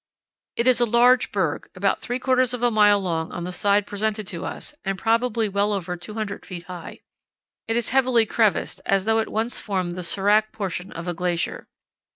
"It is a large berg, about three quarters of a mile long on the side presented to us and probably well over 200 ft. high. It is heavily crevassed, as though it once formed the serac portion of a glacier.